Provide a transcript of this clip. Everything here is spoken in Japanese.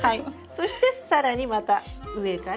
そして更にまた上から。